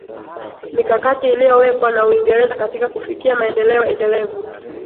mikakati iliyowekwa na uingereza katika kufikia maendeleo endelevu